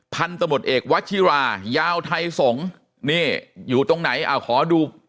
พันธ์ตำรวจเอกวชิรายาวไทยสงฯนี่อยู่ตรงไหนอ้าวขอดู